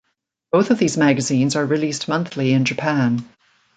Both of these magazines are released monthly in Japan.